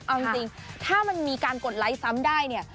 เอาจริงถ้ามันมีการกดไลค์ซ้ำได้เนี่ย